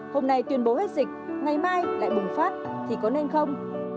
hôm nay tuyên bố hết dịch ngày mai lại bùng phát thì có nên không